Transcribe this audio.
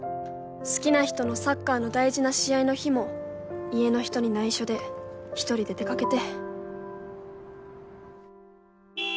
好きな人のサッカーの大事な試合の日も家の人に内緒で１人で出掛けて。